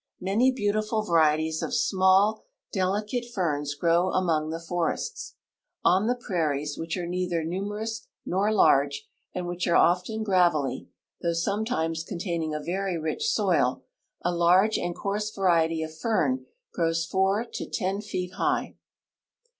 Many beautiful varieties of small, delicate ferns grow among the forests. On the prairies, which are neither numerous nor large, and Avhich are often gravelly, though some times containing a very rich soil, a large and coarse variety of fern grows four to ten feet high.